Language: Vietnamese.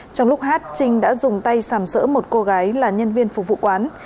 trong lúc hát trinh đã dùng tay sàm sỡ một cô gái là nhân viên phục vụ quán